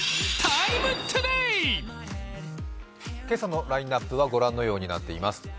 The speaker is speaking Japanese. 今朝のラインナップは御覧のようになっています。